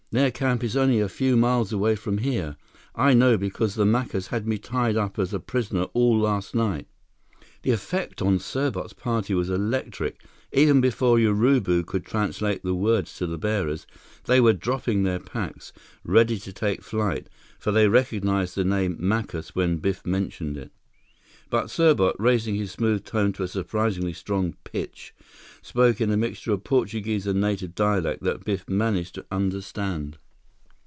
"Their camp is only a few miles away from here. I know, because the Macus had me tied up as a prisoner all last night!" The effect on Serbot's party was electric. Even before Urubu could translate the words to the bearers, they were dropping their packs, ready to take to flight, for they recognized the name "Macus" when Biff mentioned it. But Serbot, raising his smooth tone to a surprisingly strong pitch, spoke in a mixture of Portuguese and native dialect that Biff managed to understand.